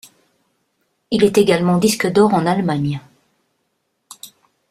Il est également disque d'or en Allemagne.